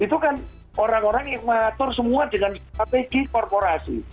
itu kan orang orang yang mengatur semua dengan strategi korporasi